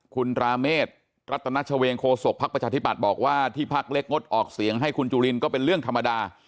คุณราเมฆรัตนัชเวงโคศกภักดิ์ประชาธิบัติบอกว่าที่พักเล็กงดออกเสียงให้คุณจุลินก็เป็นเรื่องธรรมดา